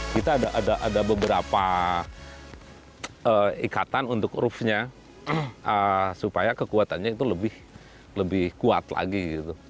kita ada beberapa ikatan untuk roofnya supaya kekuatannya itu lebih kuat lagi gitu